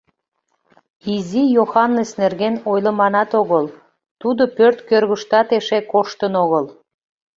Изи Йоханнес нерген ойлыманат огыл — тудо пӧрт кӧргыштат эше коштын огыл.